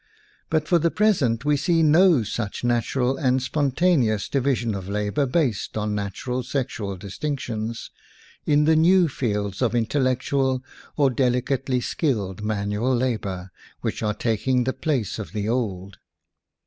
But for the pres ent we see no such natural and sponta neous division of labor based on natural sexual distinctions in the new fields of intellectual or delicately skilled man ual labor, which are taking the place of the old.